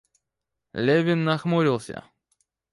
Левин нахмурился.